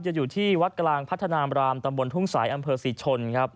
อยู่ที่วัดกลางพัฒนามรามตำบลทุ่งสายอำเภอศรีชนครับ